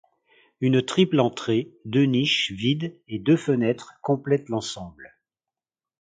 Une triple entrée deux niches vides et deux fenêtres complètent l'ensemble.